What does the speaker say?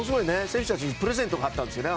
選手たちにプレゼントがあったんですよね。